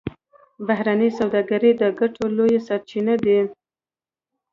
بهرنۍ سوداګري د ګټو لویې سرچینې دي